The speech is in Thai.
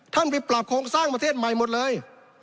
ไปปรับโครงสร้างประเทศใหม่หมดเลย